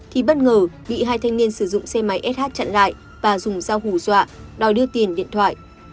thì bất ngờ bị hai thanh niên sử dụng xe máy sh chặn lại và dùng dao hù dọa đòi đưa tiền điện thoại